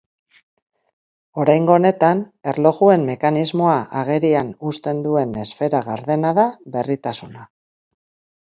Oraingo honetan, erlojuen mekanismoa agerian uzten duen esfera gardena da berritasuna.